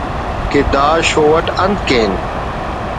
کہ دا show it انت کین